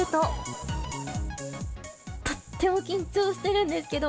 とっても緊張してるんですけど、